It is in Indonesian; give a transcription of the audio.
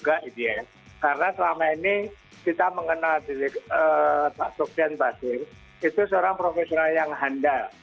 karena selama ini kita mengenal pak sofian basir itu seorang profesional yang handal